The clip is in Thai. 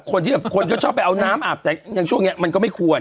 คนที่แบบคนก็ชอบไปเอาน้ำอาบแสงอย่างช่วงนี้มันก็ไม่ควร